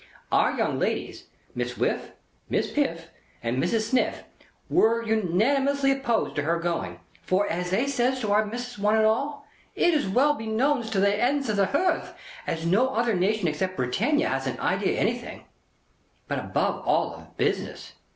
Our young ladies, Miss Whiff, Miss Piff, and Mrs. Sniff, was unanimous opposed to her going; for, as they says to Our Missis one and all, it is well beknown to the hends of the herth as no other nation except Britain has a idea of anythink, but above all of business.